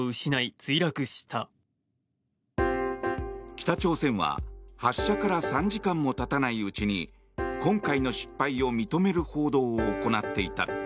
北朝鮮は発射から３時間も経たないうちに今回の失敗を認める報道を行っていた。